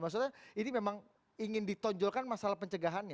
maksudnya ini memang ingin ditonjolkan masalah pencegahannya